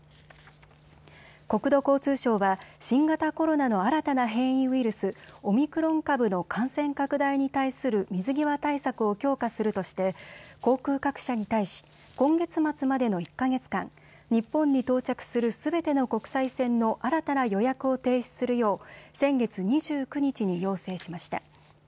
国土交通省は新型コロナの新たな変異ウイルス、オミクロン株の感染拡大に対する水際対策を強化するとして航空各社に対し、今月末までの１か月間、日本に到着するすべての国際線の新たな予約を停止するよう先月２９日に要請しました。